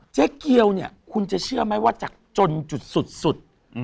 เจ๊เกียวเนี่ยคุณจะเชื่อไหมว่าจากจนจุดสุด